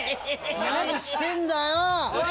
何してんだよ